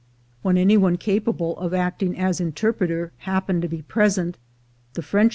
^^^len any one capable of acting as interpreter happened to be present, the Frenchm.